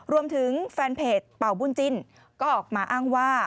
รวมถึงแฟนเพจเป่าบุญจิ้นก็ออกมาอ้างว่า